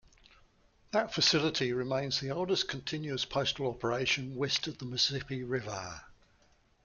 That facility remains the oldest continuous postal operation west of the Mississippi River.